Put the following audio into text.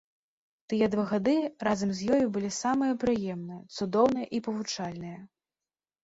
Тыя два гады разам з ёю былі самыя прыемныя, цудоўныя і павучальныя.